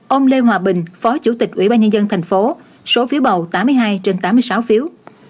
hai ông lê hòa bình phó chủ tịch ủy ban nhân dân tp số phiếu bầu tám mươi hai trên tám mươi sáu phiếu